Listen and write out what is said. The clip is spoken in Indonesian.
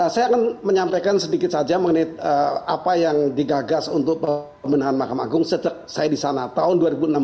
saya akan menyampaikan sedikit saja mengenai apa yang digagas untuk pemenahan mahkamah agung sejak saya di sana tahun dua ribu enam belas